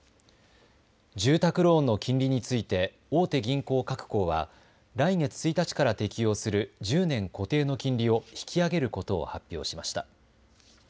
住宅ローンの金利について大手銀行各行は来月１日から適用する１０年固定の金利を引き上げることを発表しました。